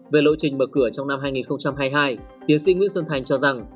về lộ trình mở cửa trong năm hai nghìn hai mươi hai tiến sĩ nguyễn xuân thành cho rằng